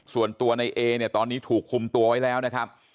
ส่วนตัวในเอเนี่ยตอนนี้ถูกคุมตัวไว้แล้วนะครับ